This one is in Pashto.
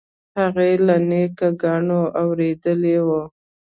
هغې له نیکه ګانو اورېدلي وو.